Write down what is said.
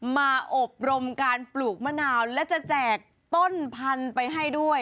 มาอบรมการปลูกมะนาวและจะแจกต้นพันธุ์ไปให้ด้วย